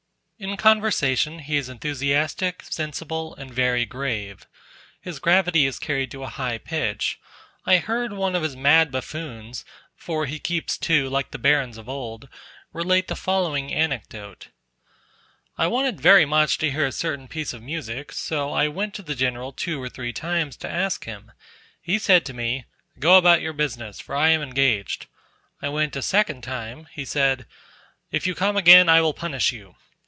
In conversation he is enthusiastic, sensible, and very grave. His gravity is carried to a high pitch: I heard one of his mad buffoons (for he keeps two, like the barons of old) relate the following anecdote. "I wanted very much to hear a certain piece of music, so I went to the general two or three times to ask him; he said to me, 'Go about your business, for I am engaged.' I went a second time; he said, 'If you come again I will punish you.'